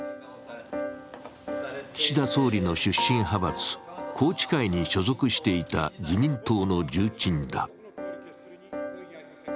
岸田総理の出身派閥、宏池会に所属していた自民党の重鎮だ。